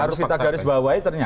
harus kita garis bawahi ternyata